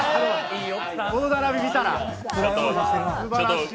この並び見たら、すばらしい。